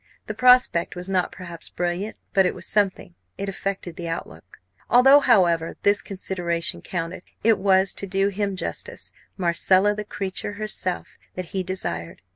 The prospect was not perhaps brilliant, but it was something; it affected the outlook. Although, however, this consideration counted, it was, to do him justice, Marcella, the creature herself, that he desired.